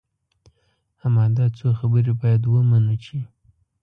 اما دا څو خبرې باید ومنو چې.